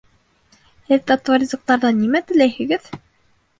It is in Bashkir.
Һеҙ татлы ризыҡтарҙан нимә теләйһегеҙ?